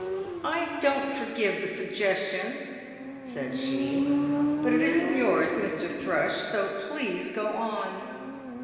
"I don't forgive the suggestion," said she; "but it isn't yours, Mr. Thrush, so please go on."